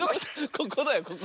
ここだよ。